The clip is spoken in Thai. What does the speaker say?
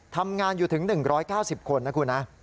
ทำงานอยู่ถึง๑๙๐คนนะคุณนะ